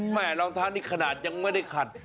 แหม่ลองทานนี่ขนาดยังไม่ได้ขัด